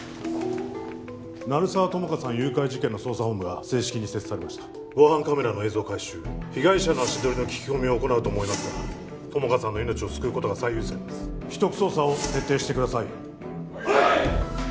鳴沢友果さん誘拐事件の捜査本部が正式に設置されました防犯カメラの映像回収被害者の足取りの聞き込みを行うと思いますが友果さんの命を救うことが最優先です秘匿捜査を徹底してくださいはい！